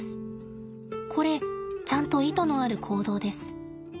これちゃんと意図のある行動です。